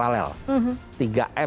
dan juga menemukan mereka yang paralel